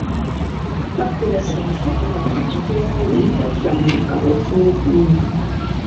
Պատկերասրահը տեղակայված է եղել մի շարք ժամանակավոր շինություններում։